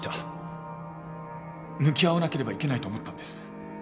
向き合わなければいけないと思ったんです。